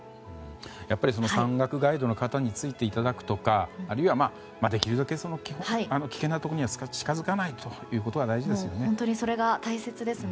やっぱり山岳ガイドの方についていただくとかあるいは、できるだけ危険なところに近づかないのが大事ですね。